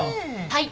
はい。